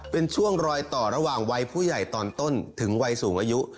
เป็นช่วงรอยต่อระหว่างวัยผู้ใหญ่ตอนต้นถึงวัยสูงอายุ